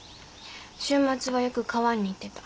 週末はよく川に行ってた。